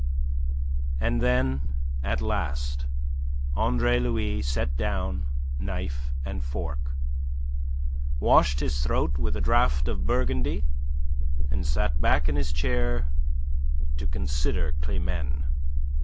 And then, at last, Andre Louis set down knife and fork, washed his throat with a draught of Burgundy, and sat back in his chair to consider Climene.